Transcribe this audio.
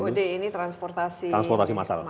tod ini transportasi masalah